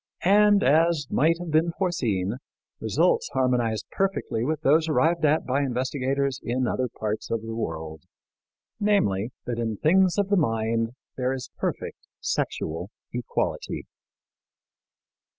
And, as might have been foreseen, results harmonized perfectly with those arrived at by investigators in other parts of the world namely, that in things of the mind there is perfect sexual equality.